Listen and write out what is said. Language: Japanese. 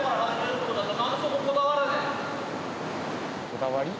こだわり？